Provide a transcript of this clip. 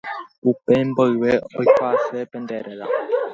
Upe mboyve aikuaase pende réra